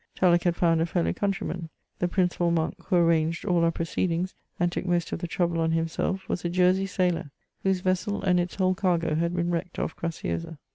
Tullodi had found a fellow countryman ; the principal monk, who ieir ranged all our proceedings, and took most of the trouble on him self, was a Jersey sailor, whose vessel and its whole cargo had been wrecked off Graciosa.